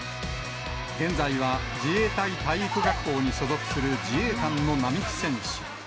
現在は自衛隊体育学校に所属する自衛官の並木選手。